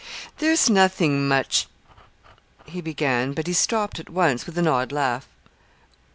"There's nothing much " he began; but he stopped at once, with an odd laugh.